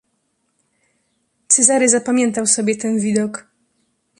Cezary zapamiętał sobie ten widok.